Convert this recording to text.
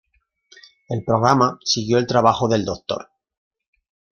El programa siguió el trabajo del Dr.